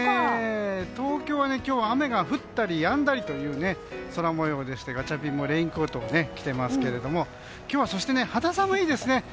東京は今日雨が降ったりやんだりという空模様でしてガチャピンもレインコートを着てますけども今日は肌寒いですね。